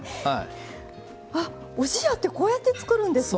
あっおじやってこうやって作るんですね。